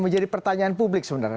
oke mau jadi pertanyaan publik sebenarnya